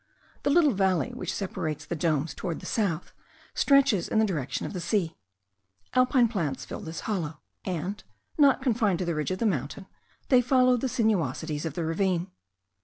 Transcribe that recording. The little valley which separates the domes towards the south, stretches in the direction of the sea. Alpine plants fill this hollow; and, not confined to the ridge of the mountain, they follow the sinuosities of the ravine.